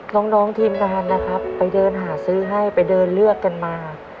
น้องทีมงานนะครับไปเดินหาซื้อให้ไปเดินเลือกกันมา